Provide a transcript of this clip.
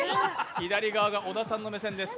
左側が織田さんの目線です。